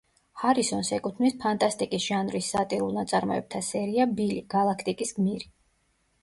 ჰარისონს ეკუთვნის ფანტასტიკის ჟანრის სატირულ ნაწარმოებთა სერია „ბილი, გალაქტიკის გმირი“.